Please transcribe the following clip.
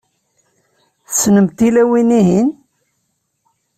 Tessnemt tilawin-ihin?